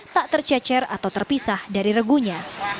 tak tercecer atau terpisah dari regunya